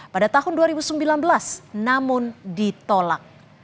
pada tahun dua ribu sembilan belas namun ditolak